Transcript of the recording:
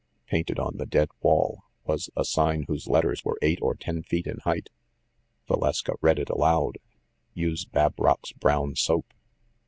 Painted on the dead wall was a sign whose letters were eight or ten feet in height. Valeska read it aloud: "Use Babrock's Brown Soap."